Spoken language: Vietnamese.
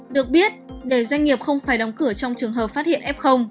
được biết để doanh nghiệp không phải đóng cửa trong trường hợp phát hiện f